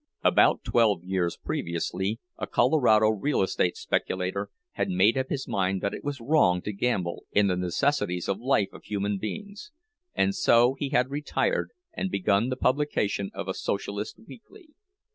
About twelve years previously a Colorado real estate speculator had made up his mind that it was wrong to gamble in the necessities of life of human beings: and so he had retired and begun the publication of a Socialist weekly.